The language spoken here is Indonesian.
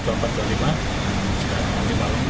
di rumah sakit ada delapan orang